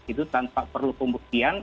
itu tanpa perlu pembuktian